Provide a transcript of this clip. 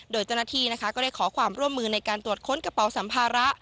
โดยเจ้าหน้าที่นะคะก็ได้ขอความร่วมมือในการตรวจค้นกระเป๋าสัมภาระ